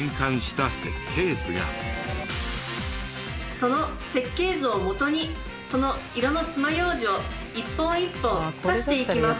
その設計図を基にその色のつまようじを一本一本刺していきます。